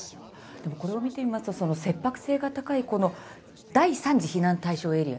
でも、これを見ていると切迫性が高い第３次避難対象エリア